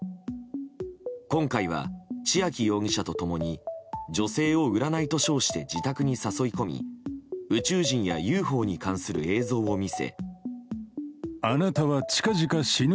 今回は千秋容疑者と共に女性を占いと称して自宅に誘い込み、宇宙人やＵＦＯに関する映像を見せ。